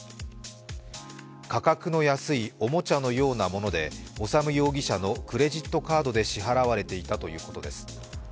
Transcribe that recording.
価格の安いおもちゃのようなもので、修容疑者のクレジットカードで支払われていたということです。